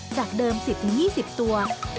จากเดิม๑๐๒๐ตัว